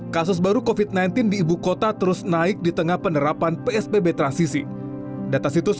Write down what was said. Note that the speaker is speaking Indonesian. kasus baru covid sembilan belas di ibu kota terus naik di tengah penerapan psbb transisi data situs